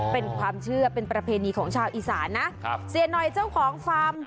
เป็นความเชื่อเป็นประเพณีของชาวอีสานนะครับเสียหน่อยเจ้าของฟาร์ม